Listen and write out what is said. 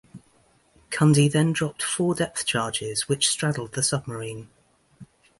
Cundy then dropped four depth charges which straddled the submarine.